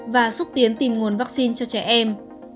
và xúc tiến tìm nguồn vaccine cho trẻ em